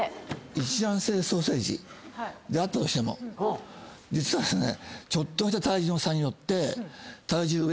一卵性双生児であったとしても実はですね。